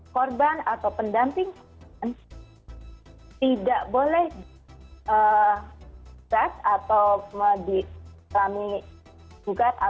korban atau pendamping korban tidak boleh